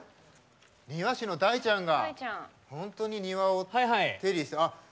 庭師の大ちゃんが本当に庭を手入れしてる。